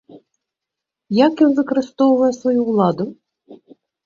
Як ён выкарыстоўвае сваю ўладу?